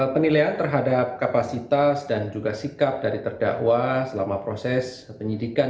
penilaian terhadap kapasitas dan juga sikap dari terdakwa selama proses penyidikan